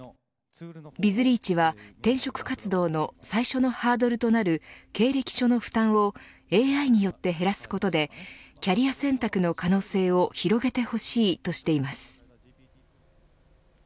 ビズリーチは、転職活動の最初のハードルとなる経歴書の負担をＡＩによって減らすことでキャリア選択の可能性を広げてほしいとしています。